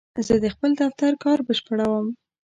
زه د خپل دفتر کار بشپړوم.